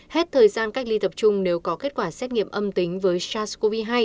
hết thời gian cách ly tập trung nếu có kết quả xét nghiệm âm tính với sars cov hai